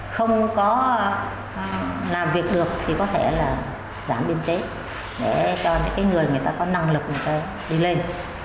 không có làm việc được thì có thể là giảm biên chế để cho những người có năng lực đi lên